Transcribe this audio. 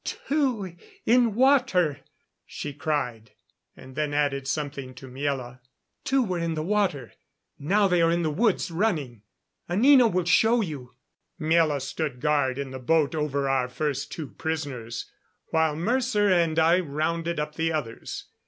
"Two in water," she cried; and then added something to Miela. "Two were in the water. Now they are in the woods, running. Anina will show you." Miela stood guard in the boat over our first two prisoners, while Mercer and I rounded up the others.